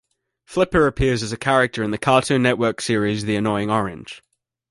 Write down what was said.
Flipper appears as a character in the Cartoon Network series The Annoying Orange.